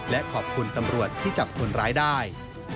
และขอบคุณตำรวจที่จับคนร้ายได้